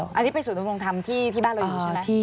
อันนี้ไปสู่โรงทำที่บ้านเราอยู่ใช่ไหม